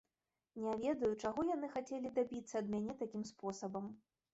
Не ведаю, чаго яны хацелі дабіцца ад мяне такім спосабам.